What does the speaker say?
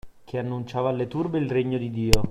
Che annunciava alle turbe il regno di Dio